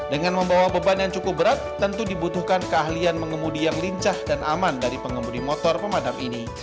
dengan membawa beban yang cukup berat tentu dibutuhkan keahlian mengemudi yang lincah dan aman dari pengemudi motor pemadam ini